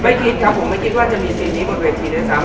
คิดครับผมไม่คิดว่าจะมีสิ่งนี้บนเวทีด้วยซ้ำ